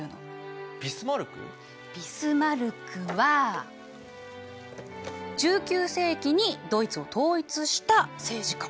ビスマルクは１９世紀にドイツを統一した政治家。